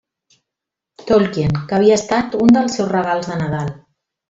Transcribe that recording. Tolkien, que havia estat un dels seus regals de Nadal.